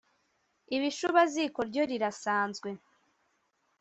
ibishubaziko ryo rirasanzwe,